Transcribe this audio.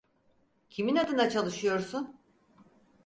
Kimin adına çalışıyorsun?